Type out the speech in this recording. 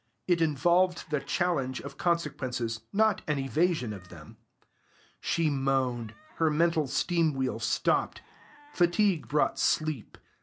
It involved the challenge of consequences, not an evasion of them. She moaned; her mental steam wheel stopped; fatigue brought sleep.